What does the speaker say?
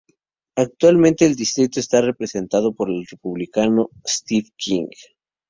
Actualmente el distrito está representado por el Republicano Steve King.